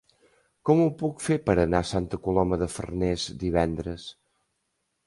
Com ho puc fer per anar a Santa Coloma de Farners divendres?